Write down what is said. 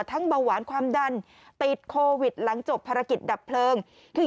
เบาหวานความดันติดโควิดหลังจบภารกิจดับเพลิงคือ